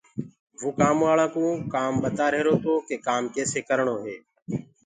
وو ورڪرآنٚ ڪوُ ٻتآ رهيرو تو ڪي ڪآم ڪيسي ڪرڻو هي؟